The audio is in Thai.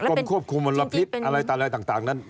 กรมควบคุมมลพิษอะไรต่างนั้น